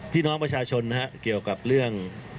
พี่น้องประชาชนนะฮะเกี่ยวกับเรื่อง